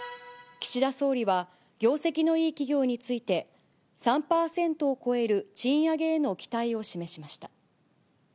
岸田総理は、業績のいい企業について、３％を超える賃上げへの期待を示しました。